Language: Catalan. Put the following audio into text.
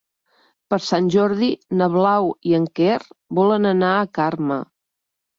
Per Sant Jordi na Blau i en Quer volen anar a Carme.